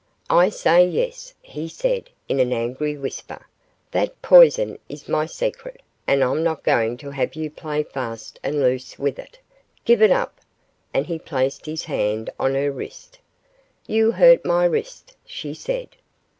'I say yes,' he said, in an angry whisper; 'that poison is my secret, and I'm not going to have you play fast and loose with it; give it up,' and he placed his hand on her wrist. 'You hurt my wrist,' she said.